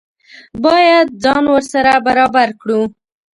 باید ځان ورسره برابر کړو.